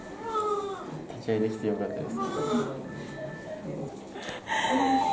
立ち会いできてよかったです。